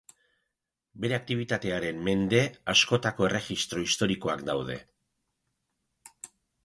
Bere aktibitatearen mende askotako erregistro historikoak daude.